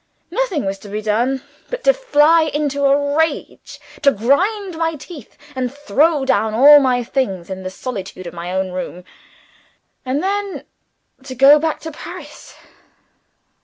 Nothing was to be done, but to fly into a rage to grind my teeth, and throw down all my things, in the solitude of my own room and then to go back to Paris.